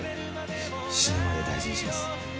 死ぬまで大事にします。